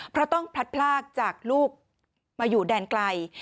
เพราะต้องพลัดพลากจากลูกมาอยู่แดนไกล